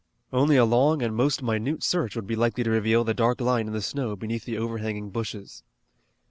Only a long and most minute search would be likely to reveal the dark line in the snow beneath the overhanging bushes.